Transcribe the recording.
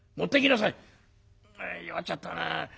「弱っちゃったな。